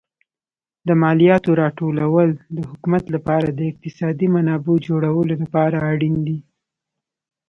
د مالیاتو راټولول د حکومت لپاره د اقتصادي منابعو جوړولو لپاره اړین دي.